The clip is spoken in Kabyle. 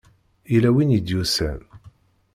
Yella win i d-yusan.